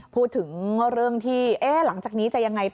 พูดถึงเรื่องที่หลังจากนี้จะยังไงต่อ